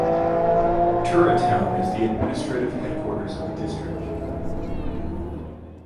Tura town is the administrative headquarters of the district.